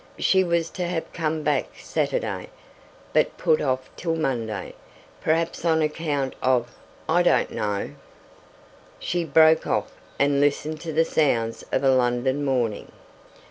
She was to have come back Saturday, but put off till Monday, perhaps on account of I don't know. She broke off, and listened to the sounds of a London morning.